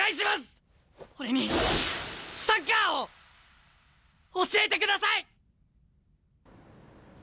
俺にサッカーを教えてください！